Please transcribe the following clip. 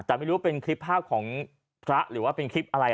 แต่ไม่รู้เป็นคลิปภาพของพระหรือว่าเป็นคลิปอะไร